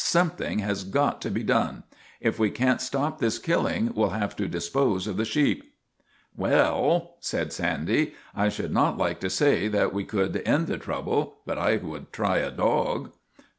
" something has got to be done. If we can't stop this killing we '11 have to dispose of the sheep." " Well." said Sandy. ' I should not like to say that we could end the trouble, but I would try a dog."